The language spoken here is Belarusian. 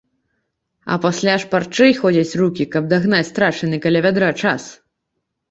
А пасля шпарчэй ходзяць рукі, каб дагнаць страчаны каля вядра час.